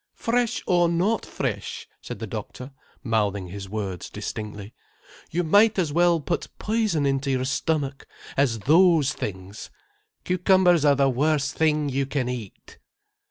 "Fresh or not fresh," said the doctor, mouthing his words distinctly, "you might as well put poison into your stomach, as those things. Cucumbers are the worst thing you can eat."